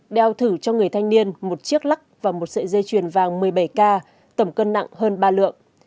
giao thử cho người thanh niên một chiếc lắc và một sợi dây truyền vàng một mươi bảy k tầm cân nặng hơn ba lượng